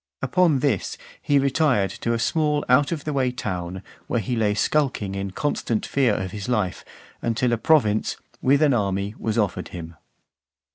Upon this, he retired to a small out of the way town, where he lay skulking in constant fear of his life, until a province, with an army, was offered him.